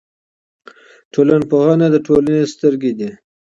ټولنپوهنه د ټولنې سترګې دي.